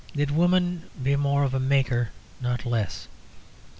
Let woman be more of a maker, not less.